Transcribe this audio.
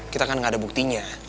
kita kan nggak ada buktinya